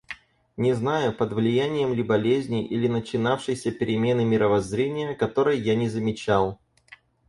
Не знаю, под влиянием ли болезни, или начинавшейся перемены мировоззрения, которой я не замечал.